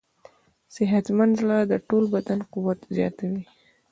صحتمند زړه د ټول بدن قوت زیاتوي.